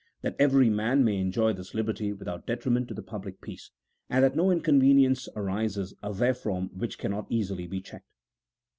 That every man may enjoy this liberty without detriment to the public peace, and that no inconveniences arise therefrom which cannot easily be checked.